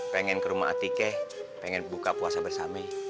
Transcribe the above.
pengen ke rumah atikeh pengen buka puasa bersama